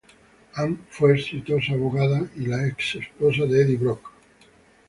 Ann fue una exitosa abogada y la ex esposa de Eddie Brock.